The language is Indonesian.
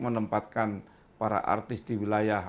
menempatkan para artis di wilayah